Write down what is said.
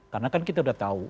karena kan kita udah tahu